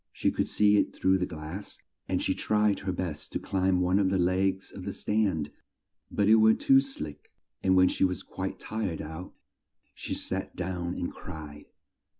She could see it through the glass, and she tried her best to climb one of the legs of the stand, but it was too sleek, and when she was quite tired out, she sat down and cried.